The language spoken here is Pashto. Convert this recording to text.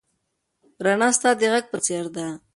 رڼا ستا د غږ په څېر ده.